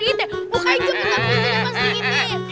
bukain cepetan bisulnya pak serigiti